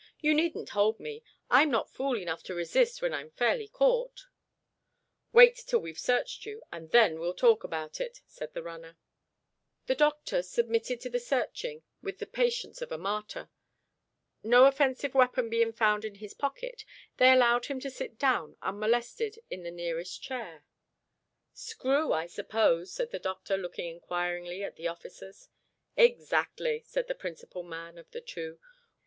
"You needn't hold me. I'm not fool enough to resist when I'm fairly caught." "Wait till we've searched you; and then we'll talk about that," said the runner.* The doctor submitted to the searching with the patience of a martyr. No offensive weapon being found in his pockets, they allowed him to sit down unmolested in the nearest chair. "Screw, I suppose?" said the doctor, looking inquiringly at the officers. "Exactly," said the principal man of the two.